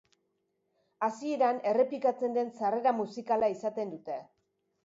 Hasieran errepikatzen den sarrera-musikala izaten dute.